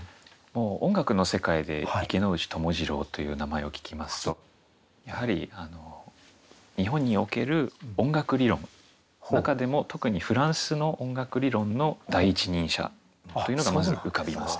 音楽の世界で池内友次郎という名前を聞きますとやはり日本における音楽理論中でも特にフランスの音楽理論の第一人者というのがまず浮かびます。